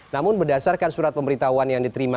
namun berdasarkan surat pemberitahuan yang diterima